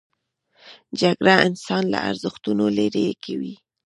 جګړه انسان له ارزښتونو لیرې کوي